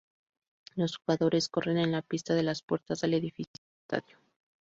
Los jugadores corren en la pista de las puertas del edificio del estadio.